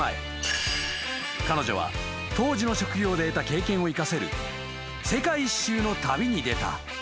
［彼女は当時の職業で得た経験を生かせる世界一周の旅に出た。